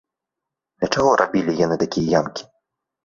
Для чаго рабілі яны такія ямкі?